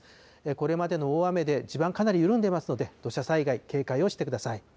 これまでの大雨で地盤、かなり緩んでますので、土砂災害に警戒をしてください。